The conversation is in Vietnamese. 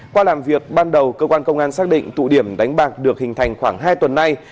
qua làm việc ban đầu cơ quan công an xác định tụ điểm đánh bạc được hình thành khoảng hai tuần nay